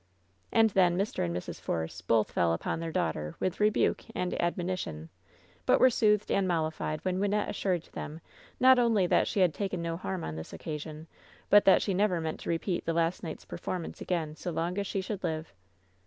And then Mr. and Mrs. Force both fell upon their daughter with rebuke and admonition, but were soothed and mollified when Wynnette assured them not only that she had taken no harm on this occasion, but that she never meant to repeat the last night's performance again fio long as die should live.